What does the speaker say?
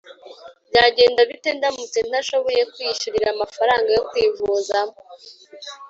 Byagenda bite ndamutse ntashoboye kwiyishyurira amafaranga yo kwivuza